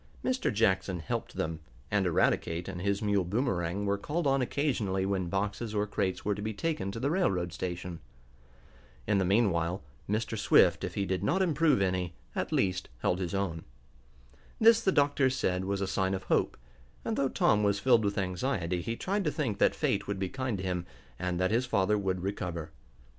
Mr. Jackson helped them, and Eradicate and his mule Boomerang were called on occasionally when boxes or crates were to be taken to the railroad station. In the meanwhile, Mr. Swift, if he did not improve any, at least held his own. This the doctors said was a sign of hope, and, though Tom was filled with anxiety, he tried to think that fate would be kind to him, and that his father would recover.